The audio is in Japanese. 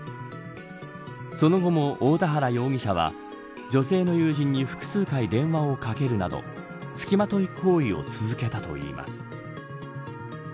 その後も大田原容疑者は女性の友人に複数回電話をかけるなどつきまとい行為を続けたといいます。